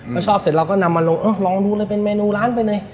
พอชอบเสร็จเราก็นำมาลงเออลองดูเลยเป็นเมนูร้านไปเลย